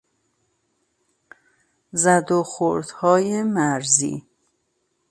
زد و خوردهای مرزی